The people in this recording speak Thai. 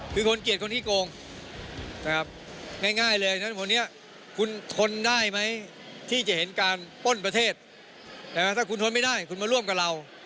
คือคนเกลียดคนที่โกงนะครับง่ายเลยฉะนั้นวันนี้คุณทนได้ไหมที่จะเห็นการป้นประเทศถ้าคุณทนไม่ได้คุณมาร่วมกับเรา